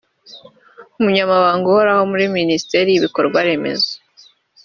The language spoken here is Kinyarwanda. umunyamabanga uhoraho muri Minisiteri y’ibikorwa remezo